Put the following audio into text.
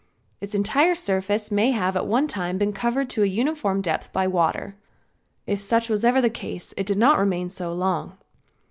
Its entire surface may have at one time been covered to a uniform depth by water. If such was ever the case it did not remain so long.